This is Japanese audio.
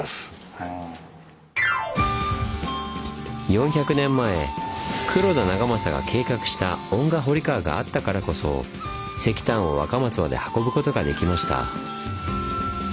４００年前黒田長政が計画した遠賀堀川があったからこそ石炭を若松まで運ぶことができました。